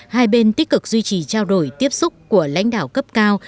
hai bên tích cực duy trì trao đổi tiếp xúc của lãnh đạo cấp cao